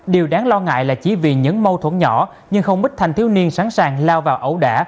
điều đáng lo ngại là chỉ vì những mâu thuẫn nhỏ nhưng không ít thanh thiếu niên sẵn sàng lao vào ẩu đả